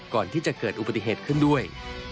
ก่อนที่จะเกิดอุบัติเหตุขึ้นด้วย